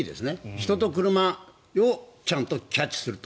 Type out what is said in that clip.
人と車をちゃんとキャッチすると。